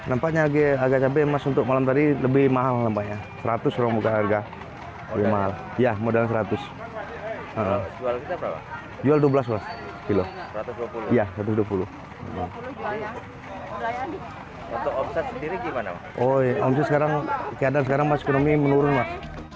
oh ya mungkin sekarang keadaan sekarang mas ekonomi menurun mas